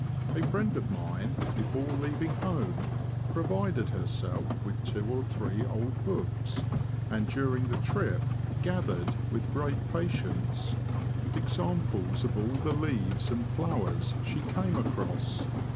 A friend of mine, before leaving home, pro vided herself with two or three old books, and during the trip gathered, with great patience, examples of all the leaves and flowers she came across.